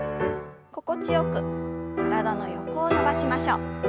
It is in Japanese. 心地よく体の横を伸ばしましょう。